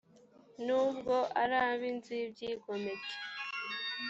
nubwo ari ab inzu y ibyigomeke